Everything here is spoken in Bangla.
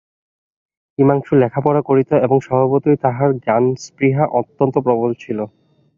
হিমাংশু লেখাপড়া করিত এবং স্বভাবতই তাহার জ্ঞানস্পৃহা অত্যন্ত প্রবল ছিল।